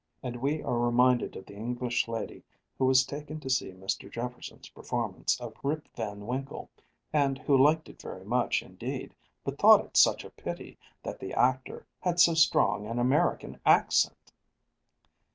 And we are reminded of the English lady who was taken to see Mr. Jefferson's performance of Rip Van Winkle, and who liked it very much indeed, but thought it such a pity that the actor had so strong an American accent!